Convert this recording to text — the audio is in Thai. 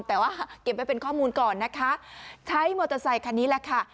แต่ว่าเก็บไว้เป็นข้อมูลก่อนนะคะใช้มอเตอร์ไซคันนี้แหละค่ะ